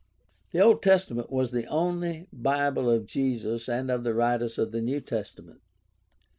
The Old Testament was the only Bible of Jesus and of the writers of the New Testament.